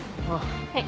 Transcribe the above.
はい。